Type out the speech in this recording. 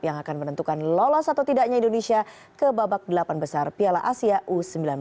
yang akan menentukan lolos atau tidaknya indonesia ke babak delapan besar piala asia u sembilan belas